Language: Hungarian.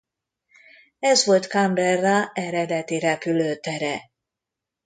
Ez volt Canberra eredeti repülőtere.